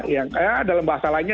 ya dalam bahasa lainnya